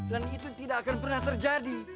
dan itu tidak akan pernah terjadi